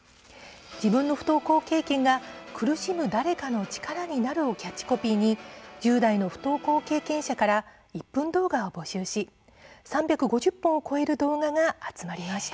「自分の不登校経験が苦しむ誰かの力になる」をキャッチコピーに１０代の不登校経験者から１分動画を募集し３５０本を超える動画が集まりました。